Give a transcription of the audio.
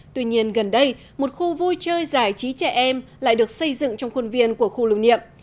tuy nhiên gần đây một khu vui chơi giải trí trẻ em lại được xây dựng trong khuôn viên của khu lưu niệm